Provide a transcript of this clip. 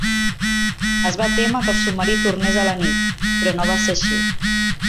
Es va témer que el submarí tornés a la nit, però no va ser així.